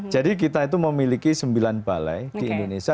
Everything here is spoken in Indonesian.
jadi kita itu memiliki sembilan balai di indonesia